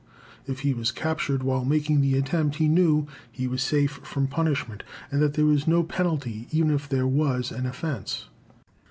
If he was captured while making the attempt, he knew he was safe from punishment, and that there was no penalty, even if there was an offense.